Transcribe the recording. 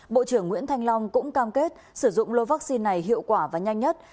bộ trưởng nguyễn thanh long cũng cam kết sử dụng lô vaccine này hiệu quả và nhanh nhất